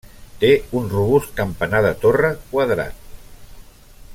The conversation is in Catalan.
Té un robust campanar de torre, quadrat.